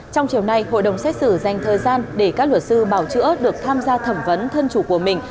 trong chiều nay hội đồng xét xử dành thời gian để các luật sư bảo chữa được tham gia thẩm vấn thân chủ của mình